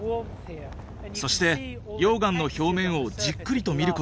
そして溶岩の表面をじっくりと見ることができます。